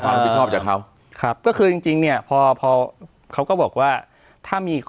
ความผิดชอบจากเขาครับก็คือจริงเนี่ยพอเขาก็บอกว่าถ้ามี